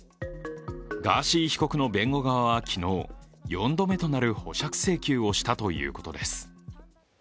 ガーシー被告の弁護側は昨日、４度目となる保釈請求をしたということです。